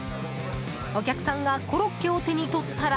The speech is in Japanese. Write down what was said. お客さんがコロッケを手に取ったら。